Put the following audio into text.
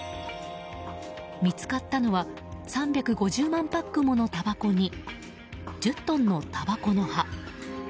見つかったのは３５０万パックものたばこに１０トンのたばこの葉。